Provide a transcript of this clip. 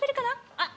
あっ！